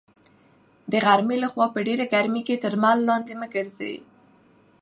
د غرمې لخوا په ډېره ګرمۍ کې تر لمر لاندې مه ګرځئ.